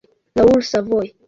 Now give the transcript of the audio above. Raoul Savoy